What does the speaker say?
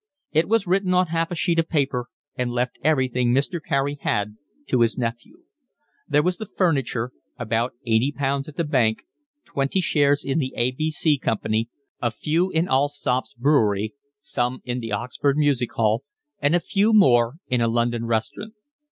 It was written on half a sheet of paper and left everything Mr. Carey had to his nephew. There was the furniture, about eighty pounds at the bank, twenty shares in the A. B. C. company, a few in Allsop's brewery, some in the Oxford music hall, and a few more in a London restaurant.